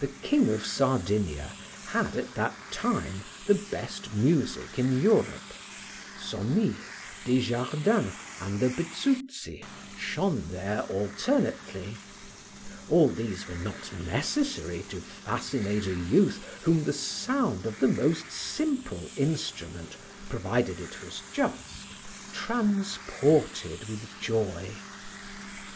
The King of Sardinia had at that time the best music in Europe; Somis, Desjardins, and the Bezuzzi shone there alternately; all these were not necessary to fascinate a youth whom the sound of the most simple instrument, provided it was just, transported with joy.